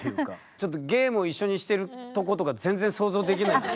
ちょっとゲームを一緒にしてるとことか全然想像できないんですけど。